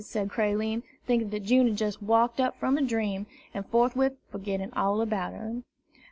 said Creline, thinking that June had just waked up from a dream, and forthwith forgetting all about her.